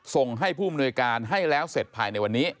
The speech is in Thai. ส่งให้ผู้อำนวยการให้แล้วเสร็จภายในวันนี้